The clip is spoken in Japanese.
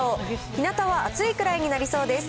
ひなたは暑いぐらいになりそうです。